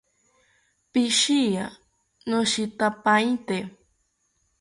Pishiya, noshitapainte